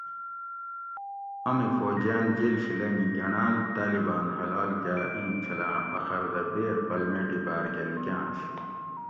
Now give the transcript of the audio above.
امی فوجیاۤن جیل شی لنگی گۤنڑاۤل طاۤلباۤن حلال کاۤ اِیں چھلاۤں فخر دہ بیر پلمیٹی باۤر کہ نِکاۤنش